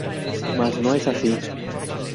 Mas no es así.